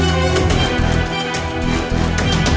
tidak ada yang bisa dihukum